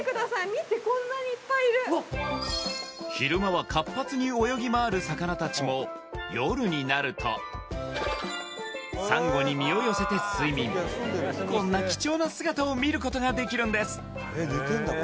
見てこんなにいっぱいいる昼間は活発に泳ぎ回る魚達も夜になるとサンゴに身を寄せて睡眠こんな貴重な姿を見ることができるんですあれ寝てんだ